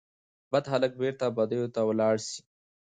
بد هلک بیرته بدیو ته ولاړ سي